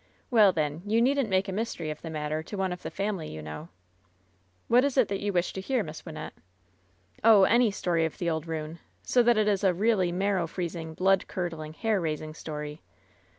'Well, then, you needn't make a mystery of the mat ter to one of the family, you know." "What is it that you wish to hear. Miss Wynnette ?" "Oh, any story of the old ruin, so that it is a really marrow freezing, blood curdling, hair raising story."